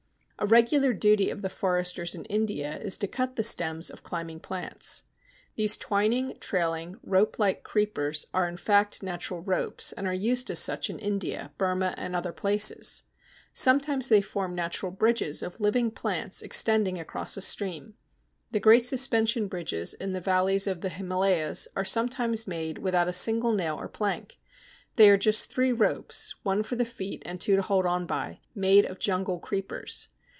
A regular duty of the foresters in India is to cut the stems of climbing plants. These twining, trailing, rope like creepers are, in fact, natural ropes, and are used as such in India, Burma, and other places. Sometimes they form natural bridges of living plants extending across a stream. The great suspension bridges in the valleys of the Himalayas are sometimes made without a single nail or plank. They are just three ropes (one for the feet and two to hold on by) made of jungle creepers.